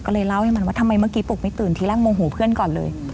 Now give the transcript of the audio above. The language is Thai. ก็เลยเล่าให้มันว่าทำไมเมื่อกี้ปกไม่ตื่นทีแรกโมโหเพื่อนก่อนเลย